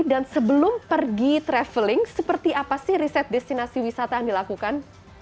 dan sebelum pergi travelling seperti apa sih riset destinasi wisata yang dilakukan